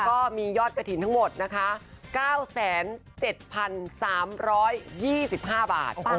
ก็มียอดกระถิ่นทั้งหมดนะคะ๙๗๓๒๕บาท